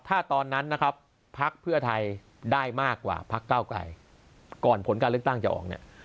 ถ้าตอนนั้นนะครับพักเพื่อไทยได้มากกว่าพักเก้าไกรก่อนผลการเลือกตั้งจะออกเนี่ย